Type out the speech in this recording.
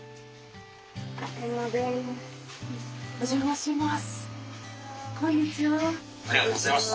お邪魔します。